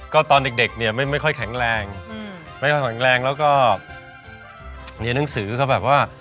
ก็ตอนเด็กเนี่ยไม่ค่อยแข็งแรงไม่ค่อยแข็งแรงแล้วก็เรียนหนังสือก็แบบว่า